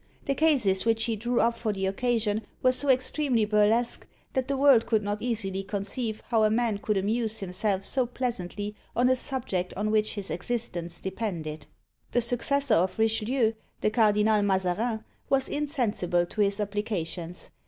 The cases which he drew up for the occasion were so extremely burlesque, that the world could not easily conceive how a man could amuse himself so pleasantly on a subject on which his existence depended. The successor of Richelieu, the Cardinal Mazarin, was insensible to his applications.